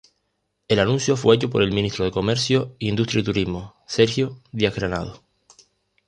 El anuncio fue hecho por el ministro de Comercio, Industria y Turismo, Sergio Díaz-Granados.